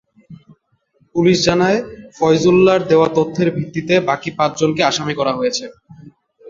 Police জানায়, ফয়জুল্লাহর দেওয়া তথ্যের ভিত্তিতে বাকি পাঁচজনকে আসামি করা হয়েছে।